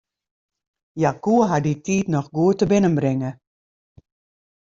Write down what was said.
Hja koe har dy tiid noch goed tebinnenbringe.